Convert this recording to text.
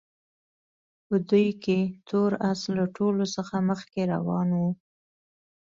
په دوی کې تور اس له ټولو څخه مخکې روان وو.